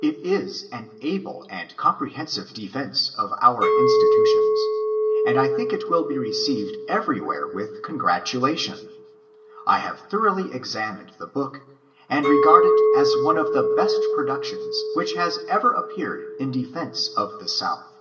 It is an able and comprehensive defence of onr Institations, and I think it wiU be received eveiy where with oongratolation. I have thoronghly examined the book, and regard it as one of the best productions which has ever appeared in defence of the South.